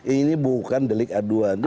ini bukan delik aduan